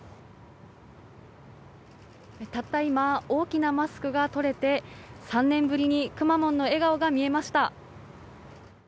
たった今、大きなマスクが取れて、３年ぶりにくまモンの笑顔が見えました。